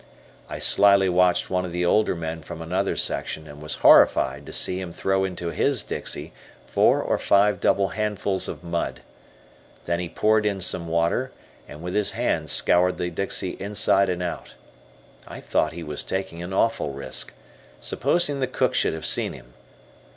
I slyly watched one of the older men from another section, and was horrified to see him throw into his dixie four or five double handfuls of mud. Then he poured in some water, and with his hands scoured the dixie inside and out. I thought he was taking an awful risk. Supposing the cook should have seen him!